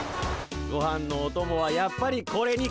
ごはんのおともはやっぱりこれにかぎるで。